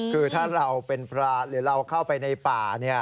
คือถ้าเราเป็นพระหรือเราเข้าไปในป่า